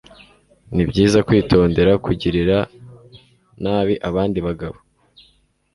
Nibyiza kwitondera kugirira nabi abandi bagabo